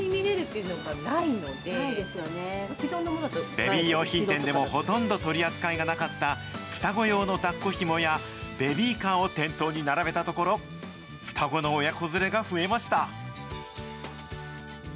ベビー用品店でもほとんど取り扱いがなかった双子用のだっこひもや、ベビーカーを店頭に並べたところ、双子の親子連れが増えました。